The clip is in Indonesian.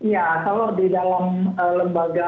ya kalau di dalam lembaga